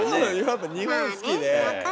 やっぱ日本好きで。